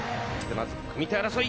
まず組手争い。